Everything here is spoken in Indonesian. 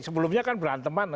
sebelumnya kan beranteman